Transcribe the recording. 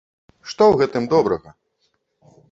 Што ў гэтым добрага?